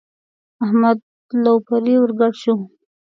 احمد لو پرې ور ګډ شو.